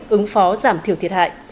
ứng phó giảm thiểu thiệt hại